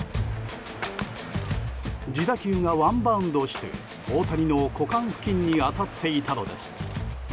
自打球がワンバウンドして大谷の股間付近に当たっていたのです。